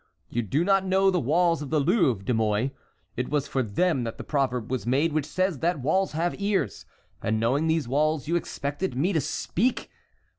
You do not know the walls of the Louvre, De Mouy; it was for them that the proverb was made which says that walls have ears; and knowing these walls you expected me to speak!